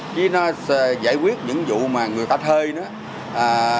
chứ nó giải quyết những vụ mà người ta hơi nữa